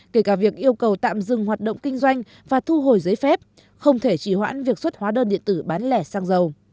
kể cả việc yêu cầu tạm dừng hoạt động kinh doanh và thu hồi giấy phép không thể chỉ hoãn việc xuất hóa đơn điện tử bán lẻ xăng dầu